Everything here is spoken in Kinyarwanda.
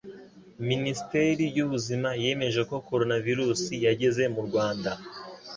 Minisiteri y'Ubuzima yemeje ko Coronavirus yageze mu Rwanda.